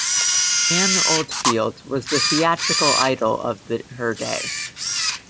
Anne Oldfield was the theatrical idol of her day.